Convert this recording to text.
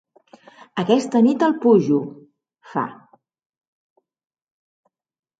Aquesta nit el pujo —fa—.